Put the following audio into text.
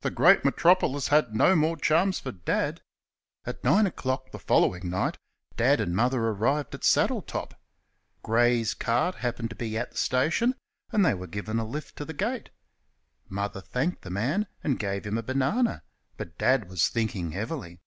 The great metropolis had no more charms for Dad. At nine o'clock the following night Dad and Mother arrived at Saddletop. Gray's cart happened to be at the station, and they were given a lift to the gate. Mother thanked the man and gave him a banana, but Dad was thinking heavily.